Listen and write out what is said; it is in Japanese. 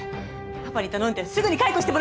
パパに頼んですぐに解雇してもらうから！